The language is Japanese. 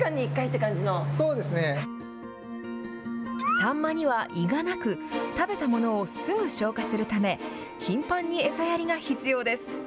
サンマには胃がなく、食べたものをすぐに消化するため、頻繁に餌やりが必要です。